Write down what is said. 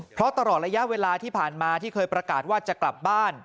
เพราะตลอดระยะเวลาที่ผ่านมาที่เคยประกาศว่าจะกลับบ้าน